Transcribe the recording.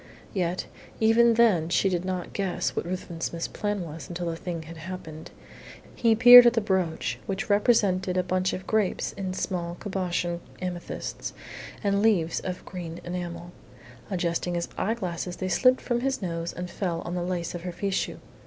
Yet even then she did not guess what Ruthven Smith's plan was until the thing had happened. He peered at the brooch, which represented a bunch of grapes in small cabochon amethysts and leaves of green enamel. Adjusting his eyeglasses, they slipped from his nose and fell on the lace of her fichu.